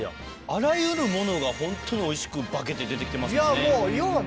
あらゆるものがホントにおいしく化けて出て来てますもんね。